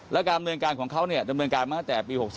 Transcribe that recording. แล้วการเมื่องการของเขาเมื่องการมาตั้งแต่ปี๖๓